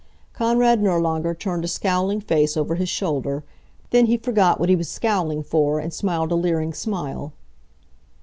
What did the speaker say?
Konrad Nirlanger turned a scowling face over his shoulder. Then he forgot what he was scowling for, and smiled a leering smile.